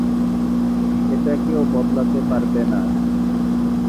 এটা কেউ বদলাতে পারবে না!